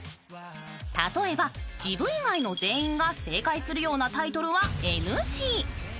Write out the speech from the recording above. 例えば自分以外の全員が正解するようなタイトルはＮＧ。